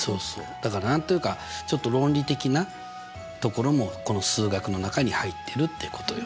だから何と言うかちょっと論理的なところもこの数学の中に入ってるってことよ。